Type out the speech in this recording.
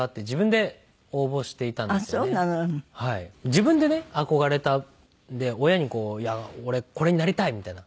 自分でね憧れたので親にこう「俺これになりたい！」みたいな。